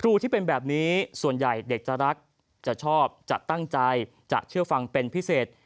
ครูที่เป็นแบบนี้ส่วนใหญ่เด็กจะรักจะชอบจะตั้งใจจะเชื่อฟังเป็นพิเศษ